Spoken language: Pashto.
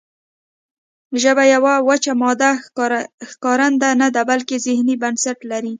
ژبه یوه وچه مادي ښکارنده نه ده بلکې ذهني بنسټ لري